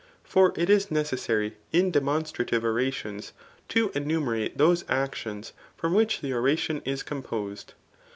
For it is necessary [in demonstrative orations] to enumerate those actions, from which the oration is composed.